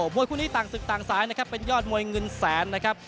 วยคู่นี้ต่างศึกต่างสายนะครับเป็นยอดมวยเงินแสนนะครับ